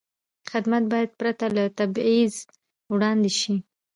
خدمت باید پرته له تبعیض وړاندې شي.